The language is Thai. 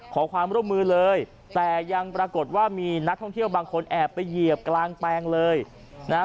ขอความร่วมมือเลยแต่ยังปรากฏว่ามีนักท่องเที่ยวบางคนแอบไปเหยียบกลางแปลงเลยนะฮะ